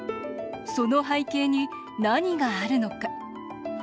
その背景に何があるのか。